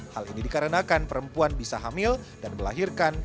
hal ini dikarenakan perempuan bisa hamil dan melahirkan